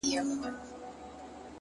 ته لږه ایسته سه چي ما وویني!!